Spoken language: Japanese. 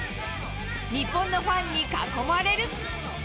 日本のファンに囲まれる。